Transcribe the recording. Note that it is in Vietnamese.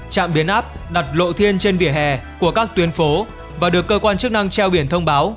trạm biến áp đặt lộ thiên trên vỉa hè của các tuyến phố và được cơ quan chức năng treo biển thông báo